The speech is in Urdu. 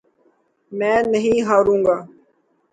میں نہیں ہاروں گا